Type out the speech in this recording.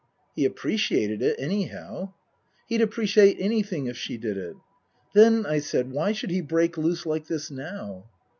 " He appreciated it, anyhow." " He'd appreciate anything if she did it." " Then," I said, " why should he break loose like this now